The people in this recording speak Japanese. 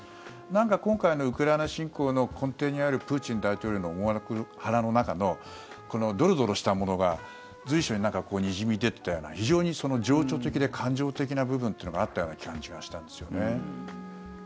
なんか今回のウクライナ侵攻の根底にあるプーチン大統領の思惑腹の中のドロドロしたものが随所ににじみ出てたような非常に情緒的で感情的な部分というのがあったような感じがしたんですよね。